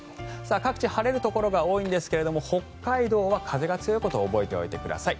各地晴れるところが多いんですが北海道は風が強いことを覚えておいてください。